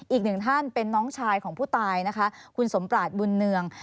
อีกหนึ่งท่านเป็นน้องชายของผู้ตายนะคะคุณสมปราศบุญเนือง